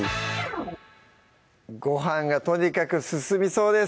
ごはんがとにかく進みそうです